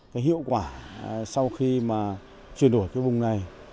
cái hiệu quả sau khi mà chuyển đổi cái vùng này